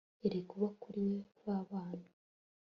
yari kuba kuri we babana